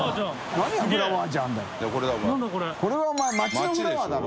海譴お前街のフラワーだろ。